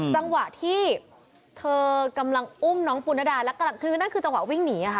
จังหวะที่เธอกำลังอุ้มน้องปุณดาแล้วกำลังคือนั่นคือจังหวะวิ่งหนีค่ะ